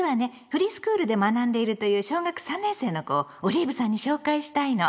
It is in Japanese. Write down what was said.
フリースクールで学んでいるという小学３年生の子をオリーブさんに紹介したいの。